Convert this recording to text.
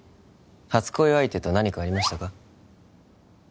初恋相手と何かありましたか？